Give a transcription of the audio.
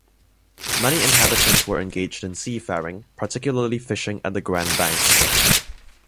Many inhabitants were engaged in seafaring, particularly fishing at the Grand Banks.